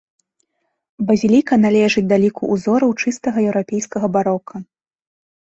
Базіліка належыць да ліку ўзораў чыстага еўрапейскага барока.